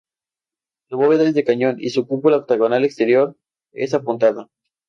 La bóveda es de cañón y su cúpula octogonal exterior es apuntada.